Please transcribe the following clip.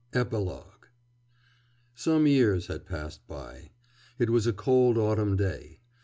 EPILOGUE Some years had passed by. It was a cold autumn day.